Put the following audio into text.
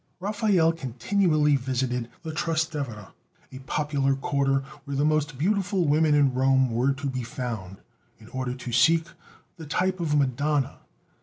Raphael continually visited the Trastevere, a popular quarter where the most beautiful women in Rome were to be found, in order to seek the type of a Madonna.